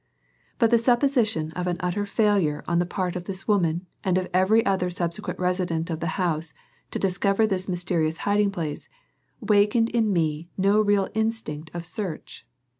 But the supposition of an utter failure on the part of this woman and of every other subsequent resident of the house to discover this mysterious hiding place, wakened in me no real instinct of search.